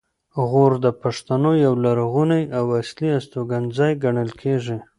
غور د پښتنو یو لرغونی او اصلي استوګنځی ګڼل کیږي